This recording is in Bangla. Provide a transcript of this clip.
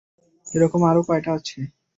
এরকম আরো কয়টা আছে?